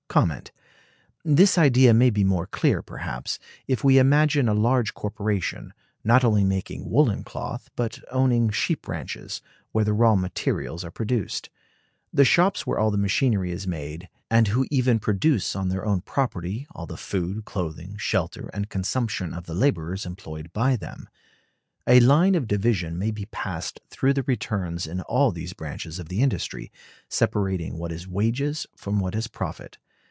This idea may be more clear, perhaps, if we imagine a large corporation, not only making woolen cloth, but owning sheep ranches, where the raw materials are produced; the shops where all machinery is made; and who even produce on their own property all the food, clothing, shelter, and consumption of the laborers employed by them. A line of division may be passed through the returns in all these branches of the industry, separating what is wages from what is profit.